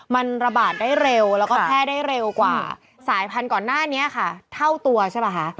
มันระบาดได้เร็วแล้วก็แพร่ได้เร็วกว่าสายพันธุ์ก่อนหน้านี้ค่ะเท่าตัวใช่ป่ะคะ